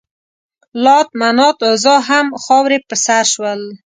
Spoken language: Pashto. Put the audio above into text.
لات، منات، عزا همه خاورې په سر شول.